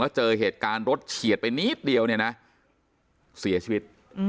แล้วเจอเหตุการณ์รถเฉียดไปนิดเดียวเสียชีวิต